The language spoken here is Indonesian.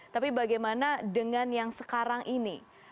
tapi bagaimana dengan yang sekarang ini